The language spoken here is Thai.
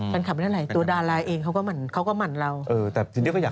แฟนคลับเป็นที่อะไรตัวดาลาเองเขาก็หมั่นเราเออแต่จริงก็อยาก